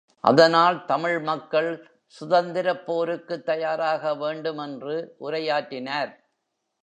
அதனால், தமிழ் மக்கள் சுதந்திரப் போருக்குத் தயாராக வேண்டும் என்று உரையாற்றினார்!